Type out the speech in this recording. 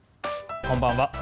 こんばんは。